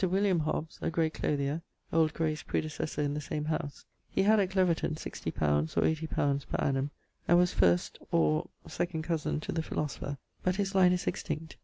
William Hobs, a great clothier (old Graye's predisessor in the same house). He had at Cleverton 60 li. or 80 li. per annum, and was first or 2 cousin to the philosipher. But his line is extinct.